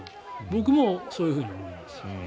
僕もそういうふうに思います。